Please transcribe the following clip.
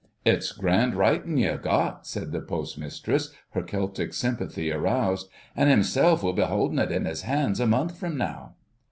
"It's grand writin' ye've got," said the Postmistress, her Celtic sympathy aroused. "An' himself will be houldin' it in his hands a month from now."